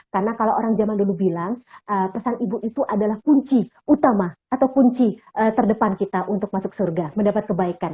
karena kalau orang zaman dulu bilang pesan ibu itu adalah kunci utama atau kunci terdepan kita untuk masuk surga mendapat kebaikan